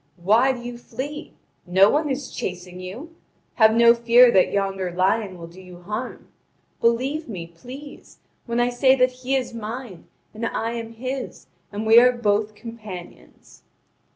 Why do you flee? No one is chasing you. Have no fear that yonder lion will do you harm. Believe me, please, when I say that he is mine, and I am his, and we are both companions."